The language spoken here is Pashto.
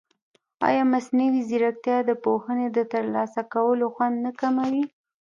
ایا مصنوعي ځیرکتیا د پوهې د ترلاسه کولو خوند نه کموي؟